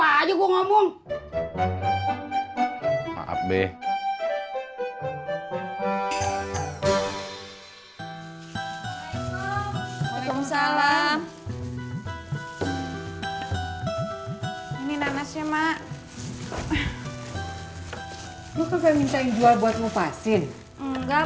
aja gua ngomong be be be salam ini nanasnya mak lu kece minceng jual buat ngupasin enggak